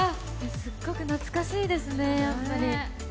すっごく懐かしいですね、やっぱり。